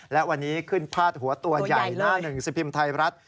และวันนี้ขึ้นพาดหัวตัวใหญ่หน้าหนึ่งสิบพิมพ์ไทยรัฐ